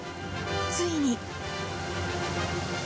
ついに。